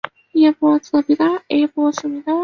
泰宁尚书墓的历史年代为明。